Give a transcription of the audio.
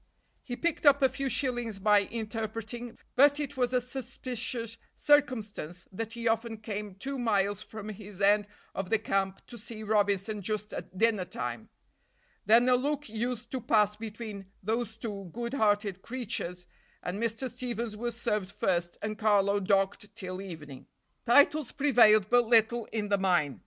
He picked up a few shillings by interpreting, but it was a suspicious circumstance that he often came two miles from his end of the camp to see Robinson just at dinner time. Then a look used to pass between those two good hearted creatures, and Mr. Stevens was served first and Carlo docked till evening. Titles prevailed but little in the mine.